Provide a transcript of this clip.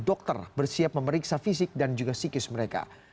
dokter bersiap memeriksa fisik dan juga psikis mereka